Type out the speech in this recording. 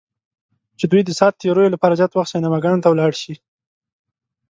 چې دوی د ساعت تیریو لپاره زیات وخت سینماګانو ته ولاړ شي.